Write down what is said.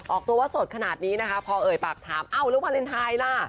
ออกตัวว่าสดขนาดนี้นะคะพอเอ่ยปากถามเอ้าแล้ววาเลนไทยล่ะ